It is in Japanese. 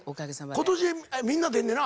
今年みんな出んねんな？